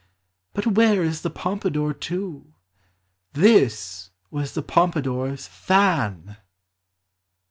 — But where is the Pompadour, too ? This was the Pompadour's fun !